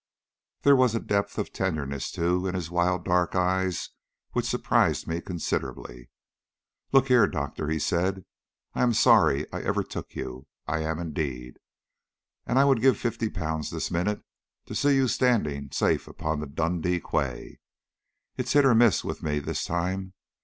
There was a depth of tenderness too in his wild dark eyes which surprised me considerably. "Look here, Doctor," he said, "I'm sorry I ever took you I am indeed and I would give fifty pounds this minute to see you standing safe upon the Dundee quay. It's hit or miss with me this time.